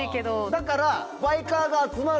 だから。